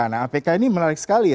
nah apk ini menarik sekali ya